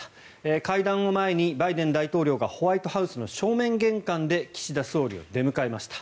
会談を前にバイデン大統領がホワイトハウスの正面玄関で岸田総理を出迎えました。